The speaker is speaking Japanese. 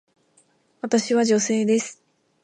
私は女性です。